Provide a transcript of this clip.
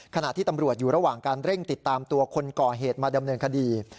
ขณะที่ตำรวจอยู่ระหว่างการเร่งติดตามตัวคนก่อเหตุมาดำเนินคดี